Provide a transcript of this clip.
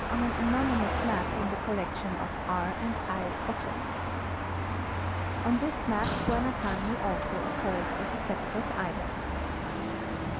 on an anonymous map in the collection of R. and I. Ottens.* On this map Guanahani also occurs as a separate island.